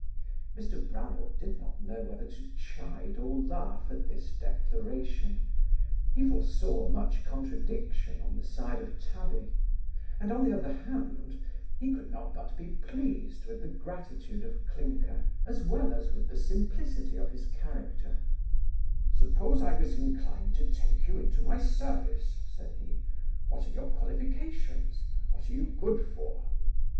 Mr Bramble did not know whether to chide or laugh at this declaration He foresaw much contradiction on the side of Tabby; and on the other hand, he could not but be pleased with the gratitude of Clinker, as well as with the simplicity of his character 'Suppose I was inclined to take you into my service (said he) what are your qualifications? what are you good for?